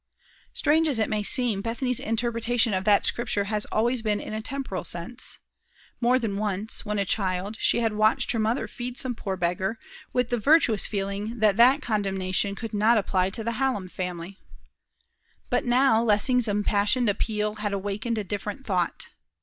Strange as it may seem, Bethany's interpretation of that Scripture had always been in a temporal sense. More than once, when a child, she had watched her mother feed some poor beggar, with the virtuous feeling that that condemnation could not apply to the Hallam family. But now Lessing's impassioned appeal had awakened a different thought.